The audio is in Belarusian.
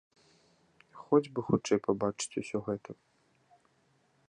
Хоць бы хутчэй пабачыць усё гэта!